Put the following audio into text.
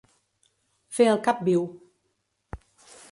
Fer el cap viu.